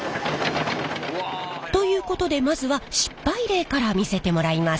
うわ。ということでまずは失敗例から見せてもらいます。